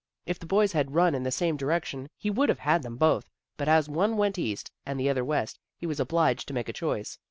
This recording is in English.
If the boys had run in the same direction he would have had them both, but as one went east and the other west, he was obliged to make a choice.